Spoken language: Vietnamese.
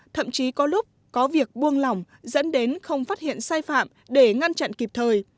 thậm chí có lúc có việc buông lỏng dẫn đến không phát hiện sai phạm để ngăn chặn kịp thời